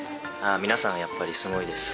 皆さんやっぱりすごいです。